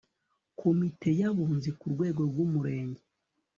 komite y abunzi ku rwego rw umurenge